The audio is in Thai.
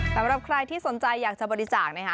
สำหรับใครที่สนใจอยากจะบริจาคนะคะ